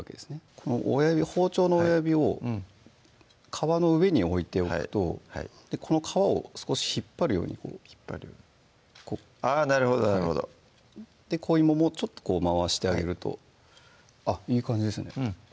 この包丁の親指を皮の上に置いておくとこの皮を少し引っ張るように引っ張るようにこうあぁなるほどなるほど小芋もちょっと回してあげるといい感じですね